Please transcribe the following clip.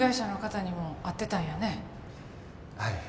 はい。